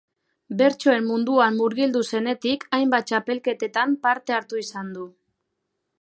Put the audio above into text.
Bertsoen munduan murgildu zenetik hainbat txapelketetan parte hartu izan du.